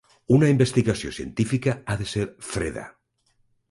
Una investigació científica ha d'ésser freda.